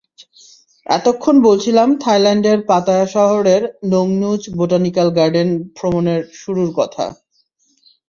এতক্ষণ বলছিলাম থাইল্যান্ডের পাতায়া শহরের নোংনুচ বোটানিক্যাল গার্ডেন ভ্রমণের শুরুর কথা।